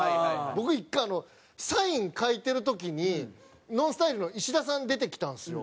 僕１回サイン書いてる時にＮＯＮＳＴＹＬＥの石田さん出てきたんですよ。